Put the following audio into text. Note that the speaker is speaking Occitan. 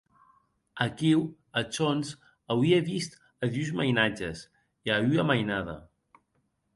Aquiu, ath hons, auie vist a dus mainatges e a ua mainada.